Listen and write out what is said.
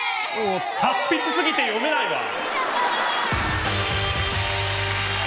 達筆すぎて読めないわ！